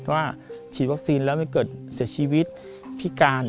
ว่าฉีดวัคซีนแล้วไม่เกิดเสียชีวิตพิการ